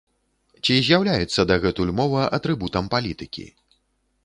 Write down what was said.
Ці з'яўляецца дагэтуль мова атрыбутам палітыкі?